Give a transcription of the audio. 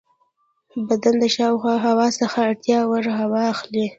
بدن د شاوخوا هوا څخه اړتیا وړ هوا اخلي.